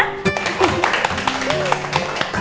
tepuk tangan buat joana